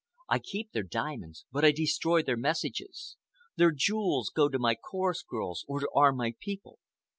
I keep their diamonds but I destroy their messages. Their jewels go to my chorus girls or to arm my people.